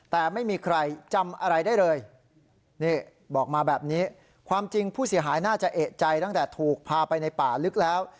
แต่ไม่มีใครจำอะไรได้เลยนี่บอกมาแบบนี้ความจริงผู้เสียหายน่าจะเอกใจตั้งแต่ถูกพาไปในป่าลึกแล้ว